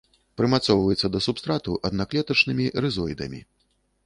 Прымацоўваецца да субстрату аднаклетачнымі рызоідамі.